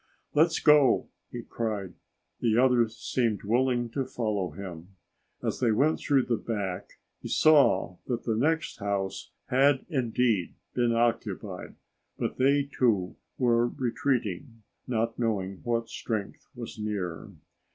"Let's go!" he cried. The others seemed willing to follow him. As they went through the back he saw that the next house had indeed been occupied, but they, too, were retreating, not knowing what strength was near.